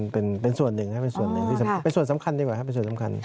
ก็เป็นส่วนหนึ่งเป็นส่วนสำคัญดีกว่าครับ